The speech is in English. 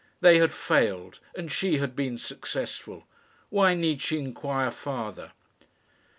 They had failed, and she had been successful. Why need she inquire farther?